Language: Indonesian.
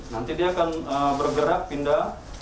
nanti dia akan bergerak pindah